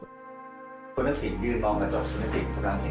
เห็นผู้หญิง